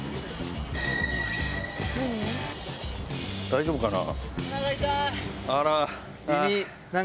大丈夫かな？